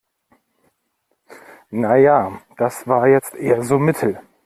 Na ja, das war jetzt eher so mittel.